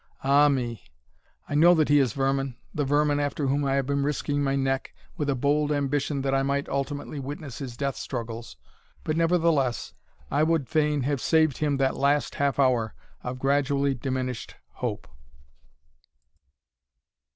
Ah me! I know that he is vermin, the vermin after whom I have been risking my neck, with a bold ambition that I might ultimately witness his death struggles; but, nevertheless, I would fain have saved him that last half hour of gradually diminished hope.